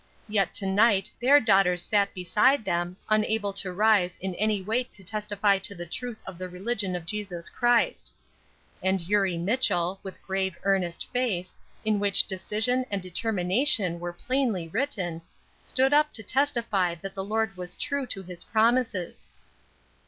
Yet, to night their daughters sat beside them, unable to rise, in any way to testify to the truth of the religion of Jesus Christ; and Eurie Mitchell, with grave, earnest face, in which decision and determination were plainly written, stood up to testify that the Lord was true to his promises.